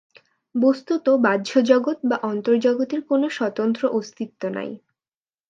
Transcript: বস্তুত বাহ্যজগৎ বা অন্তর্জগতের কোন স্বতন্ত্র অস্তিত্ব নাই।